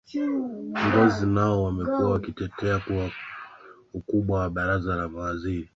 ngozi nao wamekuwa wakitetea kuwa ukubwa wa baraza la mawaziri